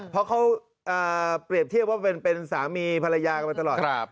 เพราะเขาเปรียบเทียบว่าเป็นสามีภรรยากันมาตลอด